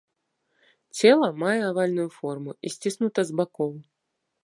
Цела мае авальную форму і сціснута з бакоў.